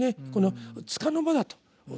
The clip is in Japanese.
この束の間だと。